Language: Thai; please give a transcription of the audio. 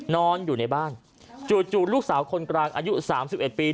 นอนอยู่ในบ้านจู่ลูกสาวคนกลางอายุ๓๑ปี